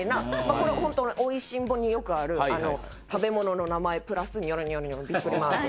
これ本当『美味しんぼ』によくある食べ物の名前プラスニョロニョロニョロビックリマーク。